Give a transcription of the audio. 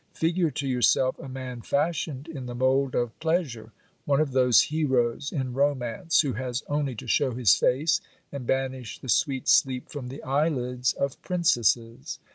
Figure to yourself a man fashioned in the mould of plea sure ; one of those heroes in romance, who has only to shew his face, and banish the sweet sleep from the eyelids of princesses.